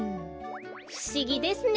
ふしぎですね。